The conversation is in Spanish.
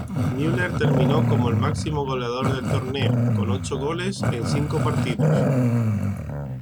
Müller terminó como el máximo goleador del torneo con ocho goles en cinco partidos.